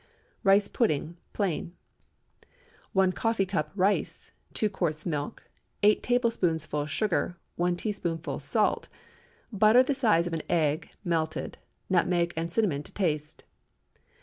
RICE PUDDING (Plain.) ✠ 1 coffee cup rice. 2 quarts milk. 8 tablespoonfuls sugar. 1 teaspoonful salt. Butter the size of an egg—melted. Nutmeg and cinnamon to taste.